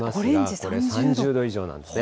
これ、３０度以上なんですね。